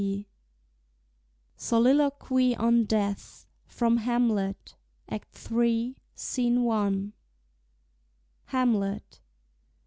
_ SOLILOQUY ON DEATH. FROM "HAMLET," ACT III. SC. I. HAMLET.